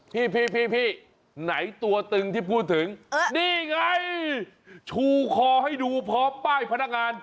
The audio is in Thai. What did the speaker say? พี่พี่ไหนตัวตึงที่พูดถึงนี่ไงชูคอให้ดูพร้อมป้ายพนักงาน